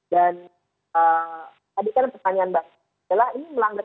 dan tadi kan pertanyaan mbak jela ini melanggar